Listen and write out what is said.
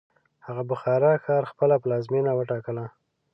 هغه بخارا ښار خپله پلازمینه وټاکله.